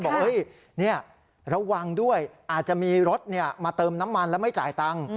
บอกระวังด้วยอาจจะมีรถมาเติมน้ำมันแล้วไม่จ่ายตังค์